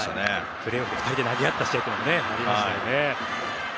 プレーオフ、２人で投げ合った試合もありましたね。